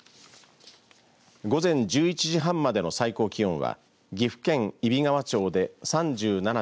午前１１時半までの最高気温は岐阜県揖斐川町で３７．２度。